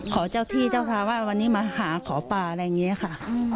ขอเจ้าที่เจ้าทางว่าวันนี้มาหาขอป่าอะไรอย่างนี้ค่ะ